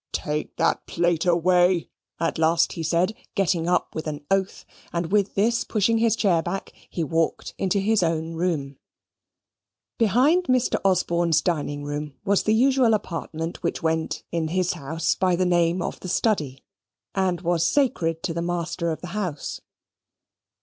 "Take that plate away," at last he said, getting up with an oath and with this pushing his chair back, he walked into his own room. Behind Mr. Osborne's dining room was the usual apartment which went in his house by the name of the study; and was sacred to the master of the house.